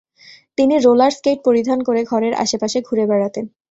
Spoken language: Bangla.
তিনি রোলার স্কেইট পরিধান করে ঘরের আশপাশে ঘুরে বেড়াতেন ।